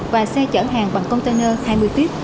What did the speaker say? và xe chở hàng bằng container hai mươi fit